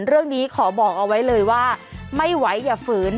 เรื่องนี้ขอบอกเอาไว้เลยว่าไม่ไหวอย่าฝืน